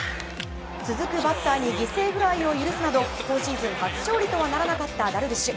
続くバッターに犠牲フライを許すなど今シーズン初勝利とはならなかったダルビッシュ。